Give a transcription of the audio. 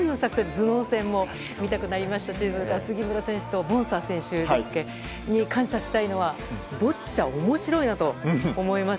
頭脳戦も見たくなりましたし杉村選手とボンサー選手に感謝したいのはボッチャ、面白いなと思います。